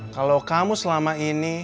kalau kamu selama ini